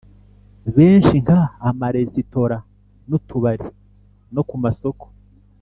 Benshi Nka Amaresitora N Utubari No Ku Masoko